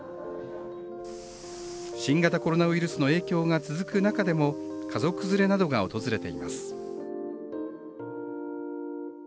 新型コロナウイルスの影響が続く中でも家族連れなどが訪れています。